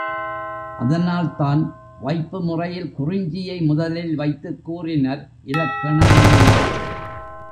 அதனால்தான் வைப்பு முறையில் குறிஞ்சியை முதலில் வைத்துக் கூறினர் இலக்கண நூலார்.